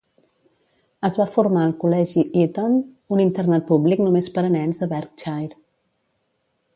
Es va formar al Col·legi Eaton, un internat públic només per a nens a Berkshire.